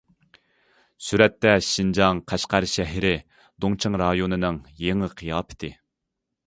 سۈرەتتە شىنجاڭ قەشقەر شەھىرى دۇڭچېڭ رايونىنىڭ يېڭى قىياپىتى.